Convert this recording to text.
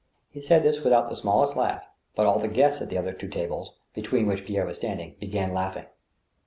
He said this without the smallest laugh, but all the guests at the other two tables, between which Pierre was standing, began laughing.